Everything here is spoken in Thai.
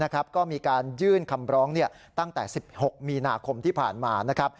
ก็มีการยื่นคำร้องตั้งแต่๑๖มีนาคมที่ผ่านมานะครับ